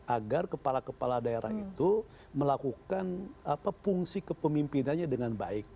agar kepala kepala daerah itu melakukan fungsi kepemimpinannya dengan baik